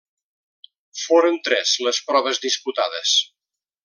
Foren tres les proves disputades.